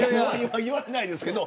言わないですけど。